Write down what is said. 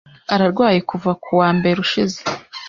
Ararwaye kuva kuwa mbere ushize.